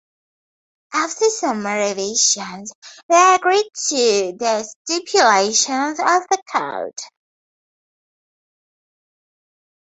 After some revisions, they agreed to the stipulations of the Code.